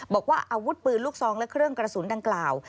บอกว่าอาวุธปืนลูกซองและเครื่องกระสุนดังกล่าว